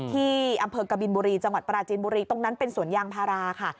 ที่อำเภอกบินบุรีจังหวัดปราจีนบุรีตรงนั้นเป็นสวนยางพาราค่ะ